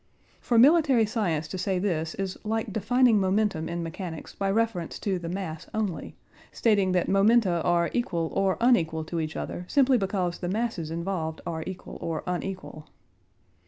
For military science to say this is like defining momentum in mechanics by reference to the mass only: stating that momenta are equal or unequal to each other simply because the masses involved are equal or unequal.